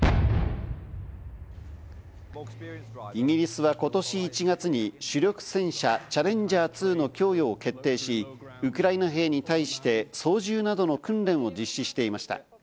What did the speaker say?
イギリスは今年１月に主力戦車「チャレンジャー２」の供与を決定し、ウクライナ兵に対して操縦などの訓練を実施していました。